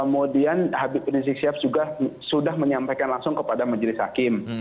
kemudian habib rizik sihab juga sudah menyampaikan langsung kepada majelis hakim